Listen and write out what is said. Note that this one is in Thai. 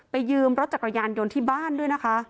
ยืมรถจักรยานยนต์ที่บ้านด้วยนะคะ